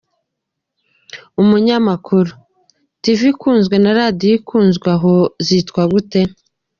Umunyamakuru: Tv ikunzwe na Radiyo ikunzwe aho zitwa gute?.